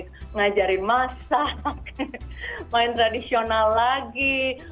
mengajari masak main tradisional lagi